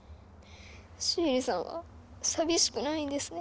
シエリさんは寂しくないんですね。